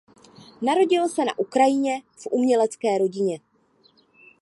Narodil se na Ukrajině v umělecké rodině.